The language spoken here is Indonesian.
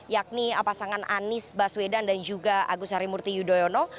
yakni pasangan anies baswedan dan juga agus harimurti yudhoyono